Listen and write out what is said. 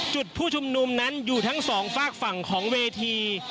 ผู้ชุมนุมนั้นอยู่ทั้งสองฝากฝั่งของเวที